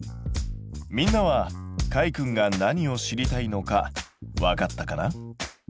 みんなはかいくんが何を知りたいのかわかったかな？